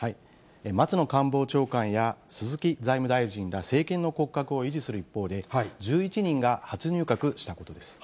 松野官房長官や、鈴木財務大臣ら、政権の骨格を維持する一方で、１１人が初入閣したことです。